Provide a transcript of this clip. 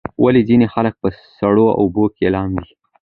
ولې ځینې خلک په سړو اوبو کې لامبي؟